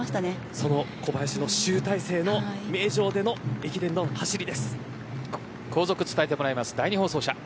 その小林の集大成の名城での駅伝の走りで後続、伝えてもらいます。